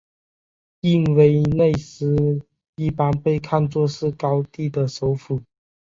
印威内斯一般被看作是高地的首府。